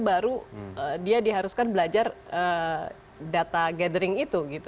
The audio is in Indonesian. baru dia diharuskan belajar data gathering itu gitu